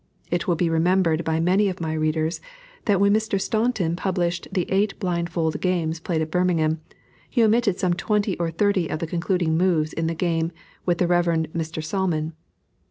It will be remembered by many of my readers, that when Mr. Staunton published the eight blindfold games played at Birmingham, he omitted some twenty or thirty of the concluding moves in the game with the Rev. Mr. Salmon.